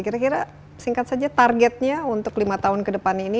kira kira singkat saja targetnya untuk lima tahun ke depan ini